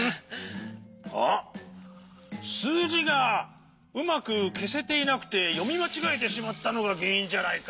あっすうじがうまくけせていなくてよみまちがえてしまったのがげんいんじゃないか？